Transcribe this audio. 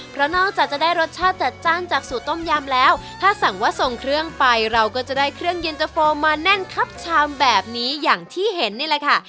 เพราะนอกจากจะได้รสชาติจัดจ้านจากสูตรต้มยำแล้วถ้าสั่งว่าส่งเครื่องไปเราก็จะได้เครื่องเย็นตะโฟมาแน่นครับชามแบบนี้อย่างที่เห็นนี่แหละค่ะ